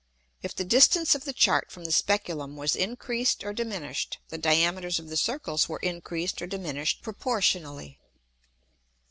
If the distance of the Chart from the Speculum was increased or diminished, the Diameters of the Circles were increased or diminished proportionally.